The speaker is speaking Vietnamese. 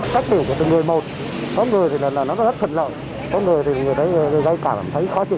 tết biểu của từng người một có người thì nó rất thân lợi có người thì người gây cảm thấy khó chịu